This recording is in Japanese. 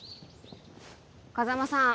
風真さん